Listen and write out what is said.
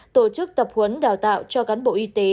tổ chức tập huấn đào tạo cho cán bộ y tế